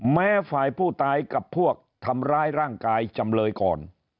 แม้ฝ่ายผู้ตายกับพวกทำร้ายร่างกายจำเลยก่อน